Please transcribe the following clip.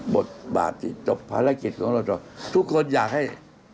บทบาทที่จบภารกิจของเราจบทุกคนอยากให้